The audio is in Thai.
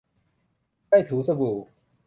ได้ถูสบู่